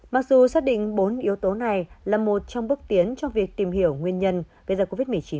mặc dù xác định bốn yếu tố này là một trong bước tiến trong việc tìm hiểu nguyên nhân về dạng covid một mươi chín kéo dài